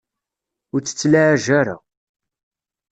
Ur tt-ttlaɛaj ara.